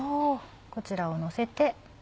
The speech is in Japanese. こちらをのせて。